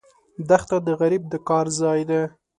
دښته د غریب د کار ځای ده.